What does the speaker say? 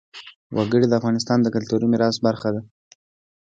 وګړي د افغانستان د کلتوري میراث برخه ده.